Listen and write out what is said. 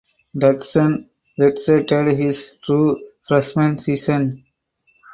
Dotson redshirted his true freshman season.